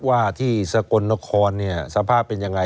ว่าที่สกลนครเนี่ยสภาพเป็นยังไง